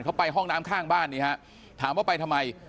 เขาไปห้องน้ำข้างบ้านนี้ฮะถามว่าไปทำไม